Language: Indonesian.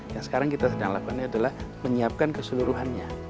yang sekarang kita sedang lakukan adalah menyiapkan keseluruhannya